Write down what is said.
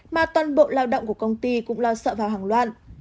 mà toàn bộ lao động của công ty cũng lo sợ vào hàng loạt